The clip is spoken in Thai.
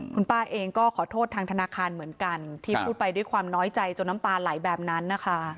คุณป้าเองก็ขอโทษทางธนาคารเหมือนกันที่พูดไปด้วยความน้อยใจจนน้ำตาไหลแบบนั้นนะคะ